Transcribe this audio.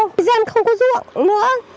thời gian không có ruộng nữa